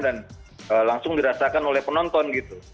dan langsung dirasakan oleh penonton gitu